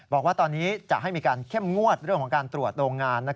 บอกว่าตอนนี้จะให้มีการเข้มงวดเรื่องของการตรวจโรงงาน